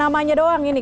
namanya doang ini